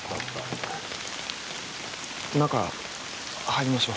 中、入りましょう。